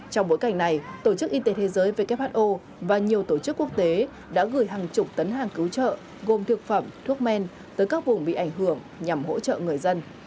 trong bối cảnh này tổ chức y tế thế giới who và nhiều tổ chức quốc tế đã gửi hàng chục tấn hàng cứu trợ gồm thực phẩm thuốc men tới các vùng bị ảnh hưởng nhằm hỗ trợ người dân